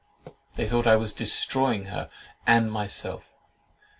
They thought I was destroying her and myself.